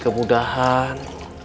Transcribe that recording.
kamu gak tau kan